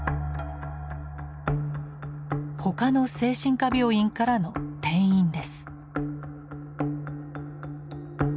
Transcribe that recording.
他の精神科病院からの転院です。